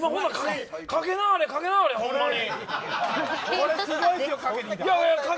かけなはれ、かけなはれほんまに。